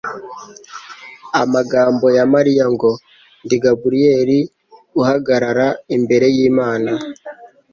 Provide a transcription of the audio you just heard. Amagambo ya marayika ngo, '' Ndi Gaburiyeli, uhagarara imbere y'Imana,''